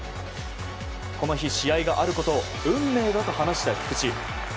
この日、試合があることを運命だと話した菊池。